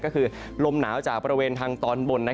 ก็คือลมหนาวจากบริเวณทางตอนบน